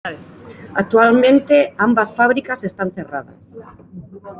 Actualmente ambas fábricas están cerradas.